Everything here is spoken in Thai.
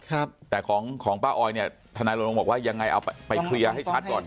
ครับแต่ของของป้าออยเนี่ยทนายลงบอกว่ายังไงเอาไปเคลียร์ให้ชัดก่อน